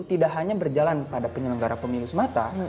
tidak hanya berjalan pada penyelenggara pemilu semata